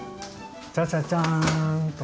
チャチャチャーンと。